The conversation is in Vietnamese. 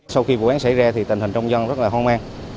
sau khi vụ án xảy ra thì tình hình trong dân rất là hoang mang